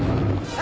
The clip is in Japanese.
あ！